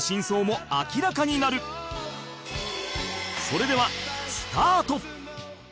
それではスタート